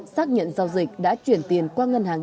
xác nhận giao dịch đã chuyển tiền qua ngân hàng